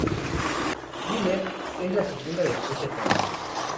Wheeler es la segunda de tres hermanas.